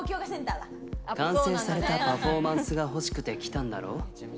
完成されたパフォーマンスが欲しくて来たんだろ？